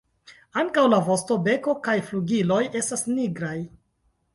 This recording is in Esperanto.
Ankaŭ la vosto, beko kaj flugiloj estas nigraj.